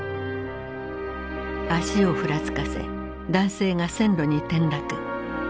足をふらつかせ男性が線路に転落。